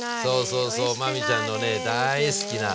そうそう真海ちゃんのね大好きな。